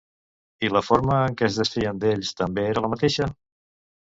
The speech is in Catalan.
I la forma en què es desfeien d'ells també era la mateixa?